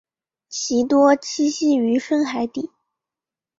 其多栖息于深海底。